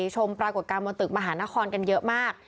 ชมปรากฏการณ์บนตึกมหานครกันเยอะมาก